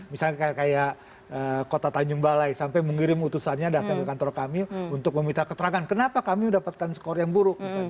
misalnya kayak kota tanjung balai sampai mengirim utusannya datang ke kantor kami untuk meminta keterangan kenapa kami mendapatkan skor yang buruk